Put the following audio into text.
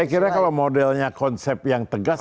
saya kira kalau modelnya konsep yang tegas